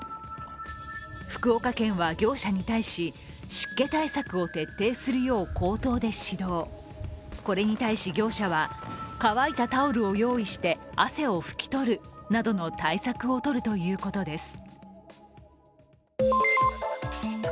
福岡県は業者に対し、湿気対策を徹底するよう口頭で指導、これに対し業者は乾いたタオルを用意して汗を拭き取るなどの対策をとるということです。